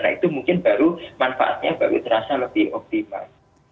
nah itu mungkin baru manfaatnya baru terasa lebih optimal